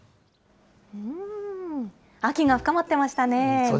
うーん、秋が深まってましたね。